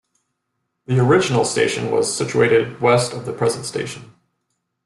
The original station was situated west of the present station.